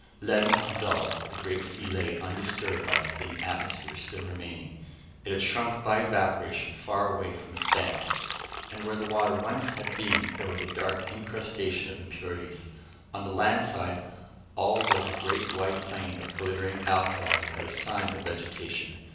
Leaden and dull, the great sea lay undisturbed by the thin atmosphere still remaining. It had shrunk by evaporation far away from its banks, and where the water once had been there was a dark incrustation of impurities. On the land side, all was a great white plain of glittering alkali without a sign of vegetation.